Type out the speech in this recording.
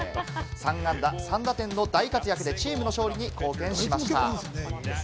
３安打３打点の活躍でチームの勝利に大きく貢献しました。